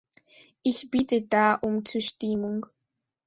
Ich bitte da um Zustimmung!